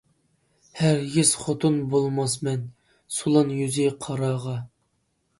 ھەرگىز خوتۇن بولماسمەن، سولان يۈزى قاراغا.